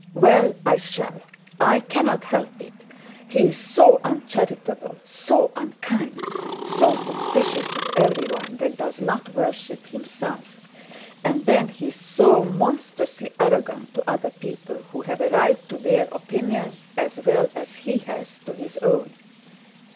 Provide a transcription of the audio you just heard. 'Well; I shall. I cannot help it. He is so uncharitable, so unkind, so suspicious of everyone that does not worship himself: and then he is so monstrously arrogant to other people who have a right to their opinions as well as he has to his own.'